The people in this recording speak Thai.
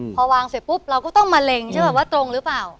พอวางเสร็จปุ๊บเราก็ต้องมะเร็งใช่ป่ะว่าตรงหรือเปล่า